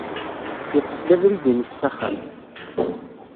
Yeṭṭef-d abrid-ines s axxam.